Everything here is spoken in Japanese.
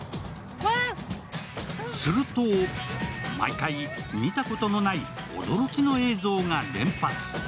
すると毎回、見たことのない驚きの映像が連発。